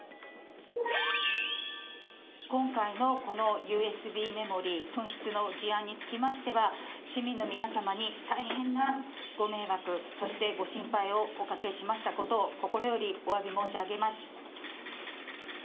今回のこのＵＳＢメモリー紛失の事案につきましては、市民の皆様に大変なご迷惑そしてご心配をおかけしましたことを心よりおわび申し上げます。